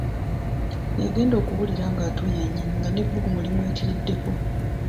Yagenda okuwulira nga atuuyanye nga n’ebbugumu limuyitiriddeko.